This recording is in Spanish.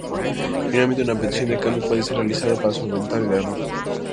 Finalmente una petición de cambio puede ser realizada para solventar el error.